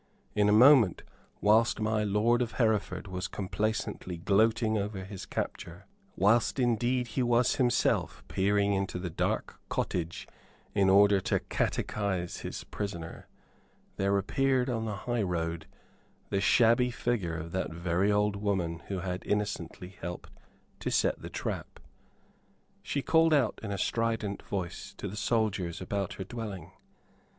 In a moment, whilst my lord of Hereford was complacently gloating over his capture whilst indeed he was himself peering into the dark cottage in order to catechise his prisoner there appeared on the high road the shabby figure of that very old woman who had innocently helped to set the trap. She called out in a strident voice to the soldiers about her dwelling.